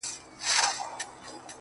اې ه سترگو کي کينه را وړم.